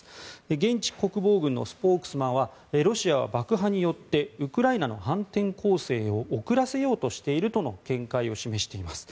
現地国防軍のスポークスマンはロシアは爆破によってウクライナの反転攻勢を遅らせようとしているとの見解を示しています。